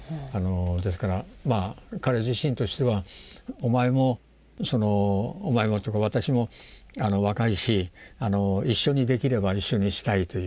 ですから彼自身としてはお前もお前もというか私も若いし一緒にできれば一緒にしたいという。